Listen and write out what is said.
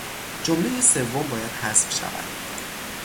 جملهی سوم باید حذف شود.